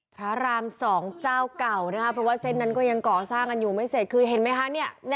พระราม๒เจ้าเก่านะคะเพราะว่าเส้นนั้นก็ยังก่อสร้างกันอยู่ไม่เสร็จคือเห็นไหมคะ